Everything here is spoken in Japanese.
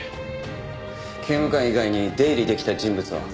刑務官以外に出入りできた人物は？